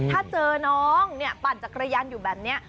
ถ้าเจอน้องเนี่ยปั่นจักรยานอยู่แบบนี้